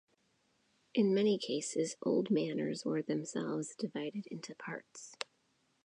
In many cases, old manors were themselves divided into parts.